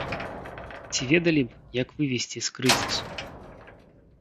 Ці ведалі б, як вывесці з крызісу?